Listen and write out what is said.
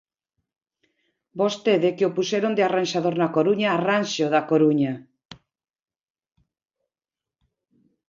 Vostede, que o puxeron de arranxador na Coruña, arranxe o da Coruña.